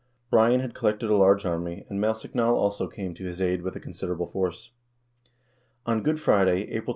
Brian had collected a large army, and Maelsechnaill also came to his aid with a considerable force. On Good Friday, April 2'.